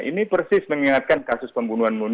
ini persis mengingatkan kasus penyerangan terhadap novel ini